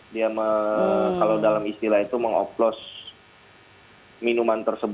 dia kalau dalam istilah itu mengoplos minuman tersebut